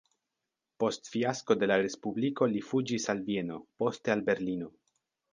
Post fiasko de la respubliko li fuĝis al Vieno, poste al Berlino.